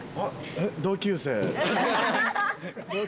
え同級生？